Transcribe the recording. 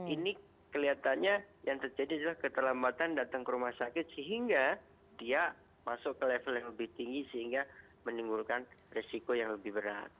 ini kelihatannya yang terjadi adalah keterlambatan datang ke rumah sakit sehingga dia masuk ke level yang lebih tinggi sehingga menimbulkan resiko yang lebih berat